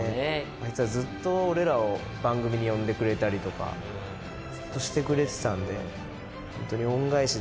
あいつらずっと俺らを番組に呼んでくれたりとかずっとしてくれてたんでホントに恩返し